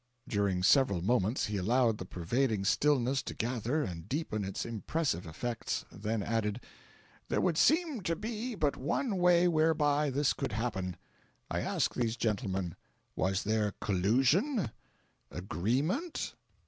During several moments he allowed the pervading stillness to gather and deepen its impressive effects, then added: "There would seem to be but one way whereby this could happen. I ask these gentlemen Was there COLLUSION? AGREEMENT?"